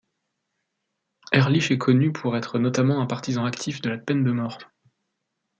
Ehrlich est connu pour être notamment un partisan actif de la peine de mort.